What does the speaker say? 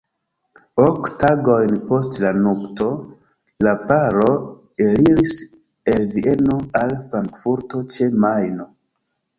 Ok tagojn post la nupto, la paro eliris el Vieno al Frankfurto ĉe Majno.